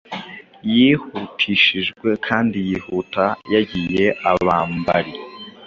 Yihutishijwe kandi yihuta Yagiye abambari